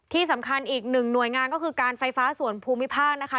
อีกหนึ่งหน่วยงานก็คือการไฟฟ้าส่วนภูมิภาคนะคะ